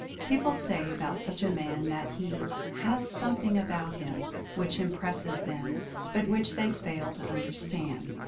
People say about such a man that he "has something about him" which impresses them, but which they fail to understand.